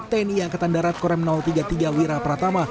tni angkatan darat korem tiga puluh tiga wirapratama